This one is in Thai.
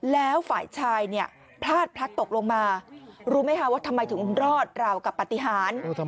แล้วฝ่ายชายเนี่ยพลาดพลัดตกลงมารู้ไหมคะว่าทำไมถึงรอดราวกับปฏิหาร